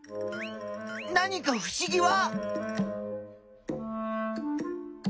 何かふしぎは？